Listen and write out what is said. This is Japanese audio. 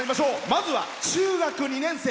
まずは中学２年生。